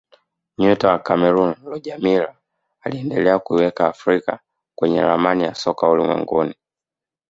nyota wa cameroon roger miller aliendelea kuiweka afrika kwenye ramani ya soka ulimwenguni